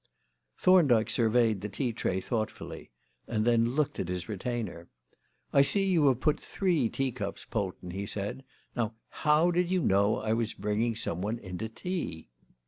Thorndyke surveyed the tea tray thoughtfully and then looked at his retainer. "I see you have put three tea cups, Polton," he said. "Now, how did you know I was bringing someone in to tea?"